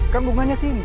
kan bunganya tinggi